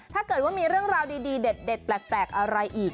ถ้าเกิดว่ามีเรื่องราวดีเด็ดแปลกอะไรอีก